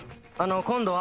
今度は。